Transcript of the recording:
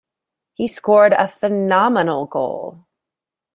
He scored a phenomenal goal.